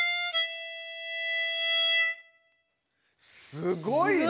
すごいな！